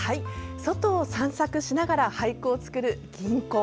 外を散策しながら俳句を作る吟行。